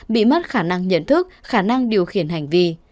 bị mất khả năng nhận thức khả năng điều khiển hành vi